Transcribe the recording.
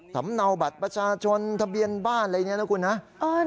สำเนาบัตรประชาชนทะเบียนบ้านอะไรอย่างนี้นะคุณ